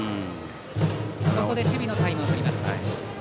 ここで守備のタイムをとります。